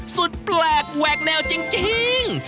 สุดแปลกแหวกแนวจริง